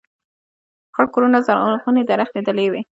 خړ کورونه زرغونې درختي دلې وې